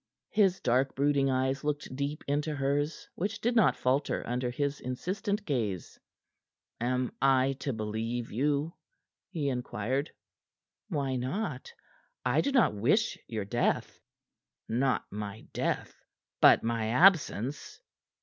His dark brooding eyes looked deep into hers, which did not falter under his insistent gaze. "Am I to believe you?" he inquired. "Why not? I do not wish your death." "Not my death but my absence?"